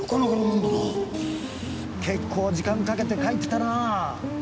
結構時間かけて描いてたなぁ。